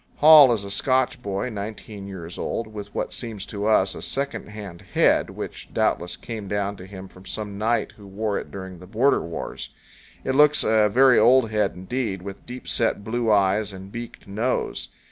Hall is a Scotch boy, nineteen years old, with what seems to us a "secondhand head," which doubtless came down to him from some knight who wore it during the Border Wars. It looks a very old head indeed, with deep set blue eyes and beaked nose.